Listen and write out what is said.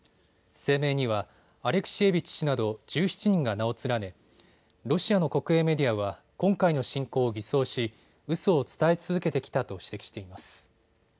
声明にはアレクシェービッチ氏など１７人が名を連ね、ロシアの国営メディアは今回の侵攻を偽装しうそを伝え続けてきたと指摘しています。